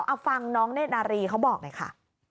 เอาฟังน้องเน่นารีเขาบอกไงค่ะ